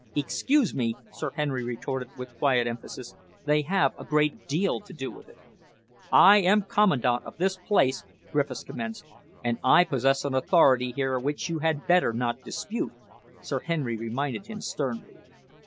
"Excuse me," Sir Henry retorted, with quiet emphasis, "they have a great deal to do with it." "I am Commandant of this place " Griffiths commenced. "And I possess an authority here which you had better not dispute," Sir Henry reminded him sternly.